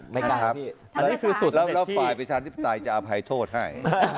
ไม่กล้าพี่แล้วฝ่ายไปชั้นที่ตายจะอภัยโทษให้